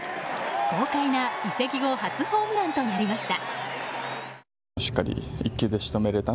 豪快な移籍後初ホームランとなりました。